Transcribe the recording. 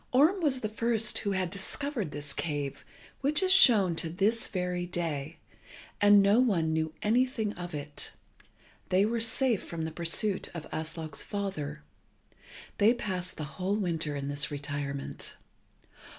Orm was the first who had discovered this cave, which is shown to this very day, and as no one knew anything of it, they were safe from the pursuit of Aslog's father. They passed the whole winter in this retirement.